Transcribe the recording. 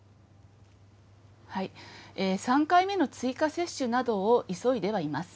３回目の追加接種などを急いではいます。